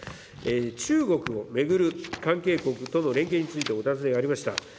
中国を巡る関係国との連携についてお尋ねがありました。